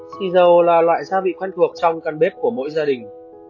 xì dầu là loại gia vị quen thuộc trong căn bếp của mỗi gia đình